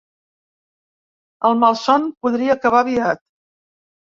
El malson podria acabar aviat.